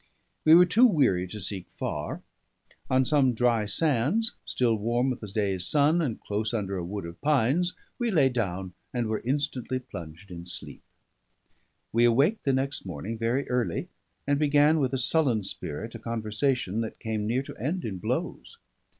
We were too weary to seek far; on some dry sands, still warm with the day's sun, and close under a wood of pines, we lay down and were instantly plunged in sleep. We awaked the next morning very early, and began with a sullen spirit a conversation that came near to end in blows.